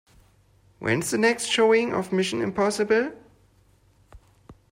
When's the next showing of Mission: Impossible?